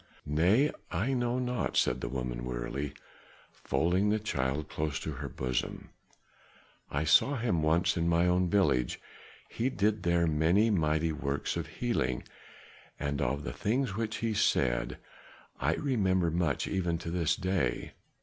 "Nay, I know not," said the woman wearily, folding the child close to her bosom. "I saw him once in my own village. He did there many mighty works of healing, and of the things which he said, I remember much even to this day.